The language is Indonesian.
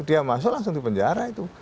dia masuk langsung dipenjara itu